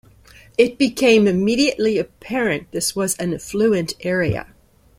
It became immediately apparent this was an affluent area.